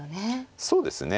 そうですね。